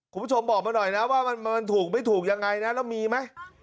คุณผู้ชมบอกมาหน่อยนะว่ามันถูกไม่ถูกยังไงนะแล้วมีไหม